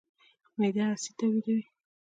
معده اسید تولیدوي.